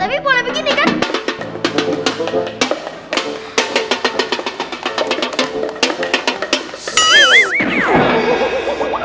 tapi boleh begini kan